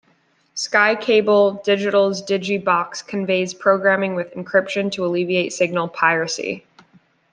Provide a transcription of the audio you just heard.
SkyCable Digital's Digibox conveys programming with encryption to alleviate signal piracy.